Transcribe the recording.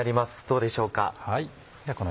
どうでしょうか？